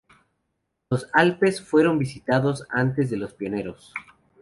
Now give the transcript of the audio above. Los Alpes fueron visitados antes de los Pirineos.